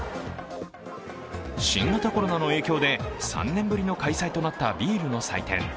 新型コロナの影響で３年ぶりの開催となったビールの祭典